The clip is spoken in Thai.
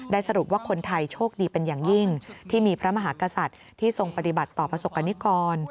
สรุปว่าคนไทยโชคดีเป็นอย่างยิ่งที่มีพระมหากษัตริย์ที่ทรงปฏิบัติต่อประสบกรณิกร